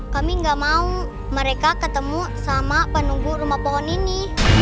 kami nggak mau mereka ketemu sama penumpu rumah pohon ini